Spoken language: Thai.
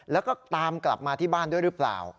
แล้วก็ตามกลับมาที่บ้านด้วยหรือเปล่า